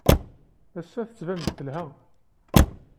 Ass-a, tettban-d telha.